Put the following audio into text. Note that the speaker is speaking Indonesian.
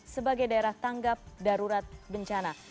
sebagai daerah tanggap darurat bencana